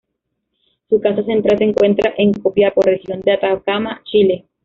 Su Casa Central se encuentra en Copiapó, Región de Atacama, Chile.